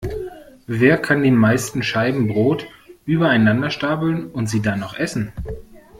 Wer kann die meisten Scheiben Brot übereinander stapeln und sie dann noch essen?